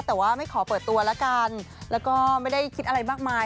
แต่ว่าไม่ขอเปิดตัวละกันแล้วก็ไม่ได้คิดอะไรมากมาย